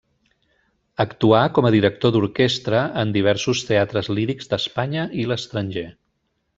Actuà com a director d'orquestra en diversos teatres lírics d'Espanya i l'estranger.